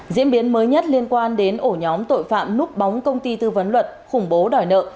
diễn biến mới nhất liên quan đến ổ nhóm tội phạm núp bóng công ty tư vấn luật khủng bố đòi nợ